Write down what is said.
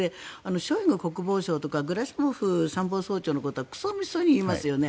ショイグ国防相とかゲラシモフ参謀総長のことはくそみそに言いますよね。